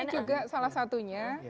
ini juga salah satunya